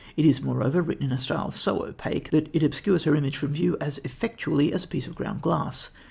It is, moreover, written in a style so opaque that it obscures her images from view as effectually as a piece of ground glass.